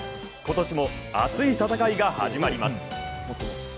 今年も熱い戦いが始まります。